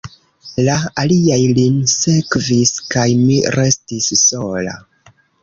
La aliaj lin sekvis, kaj mi restis sola.